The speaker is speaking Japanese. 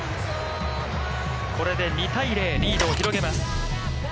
これで２対０、リードを広げます。